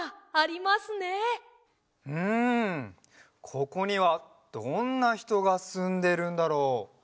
ここにはどんなひとがすんでるんだろう？